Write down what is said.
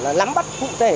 là lắm bắt phụ thể